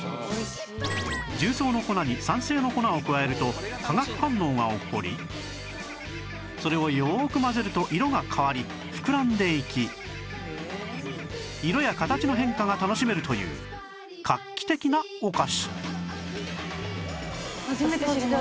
重曹の粉に酸性の粉を加えると化学反応が起こりそれをよーく混ぜると色が変わり膨らんでいき色や形の変化が楽しめるという画期的なお菓子